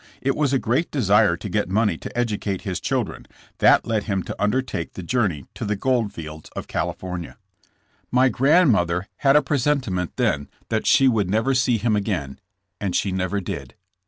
It was a great desire to get money to educate his children, that led him to under take the journey to the gold fields of California. My grandmother had a presentiment then that she would never see him again, and she never did.